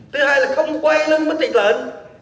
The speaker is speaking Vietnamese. thứ hai là không quay lưng bất tịnh lợn